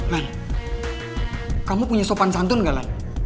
lan kamu punya sopan santun gak lan